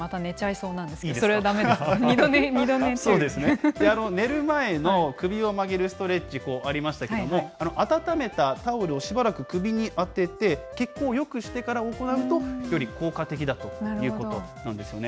そうこういうね、寝る前の首を曲げるストレッチありましたけれども、温めたタオルをしばらく首に当てて血行をよくしてから行うと、より効果的だということなんですよね。